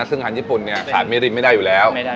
ซึ่งอาหารญี่ปุ่นเนี่ยขาดเมรินไม่ได้อยู่แล้ว